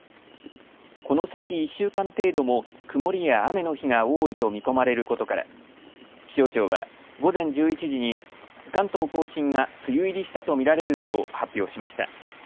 この先１週間程度も曇りや雨の日が多いと見込まれることから気象庁は午前１１時に関東甲信が梅雨入りしたと見られると発表しました。